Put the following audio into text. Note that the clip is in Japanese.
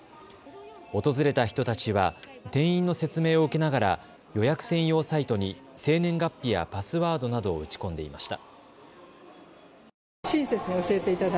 訪れた人たちは店員の説明を受けながら予約専用サイトに生年月日やパスワードなどを打ち込んでいました。